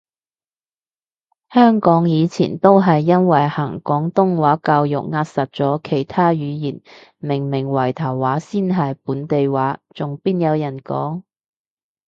香港以前都係因為行廣東話教育扼殺咗其他語言，明明圍頭話先係本地話，仲邊有人講？